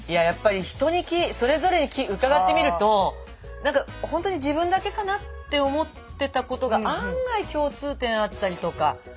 やっぱり人にそれぞれに伺ってみるとなんかほんとに自分だけかな？って思ってたことが案外共通点あったりとか。